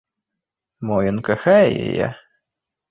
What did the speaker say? Мо ён кахае яе?